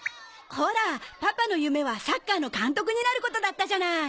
ほらパパの夢はサッカーの監督になることだったじゃない！